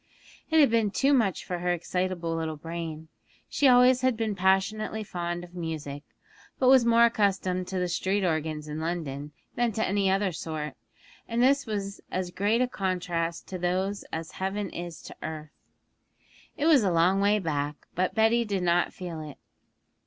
It had been too much for her excitable little brain; she always had been passionately fond of music, but was more accustomed to the street organs in London than to any other sort, and this was as great a contrast to those as heaven is to earth. It was a long way back, but Betty did not feel it.